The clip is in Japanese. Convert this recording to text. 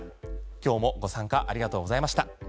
今日もご参加ありがとうございました。